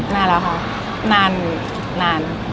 นานแล้วค่ะนานนาน